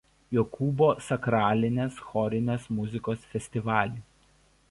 Jokūbo sakralinės chorinės muzikos festivalį.